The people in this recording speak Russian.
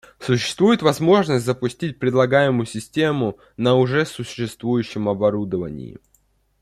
Существует возможность запустить предлагаемую систему на уже существующем оборудовании